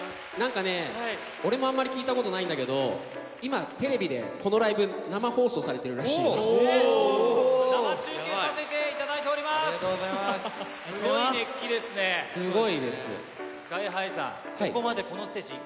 なんかね、俺もあんまり聞いたことないんだけど、今、テレビでこのライブ、おー。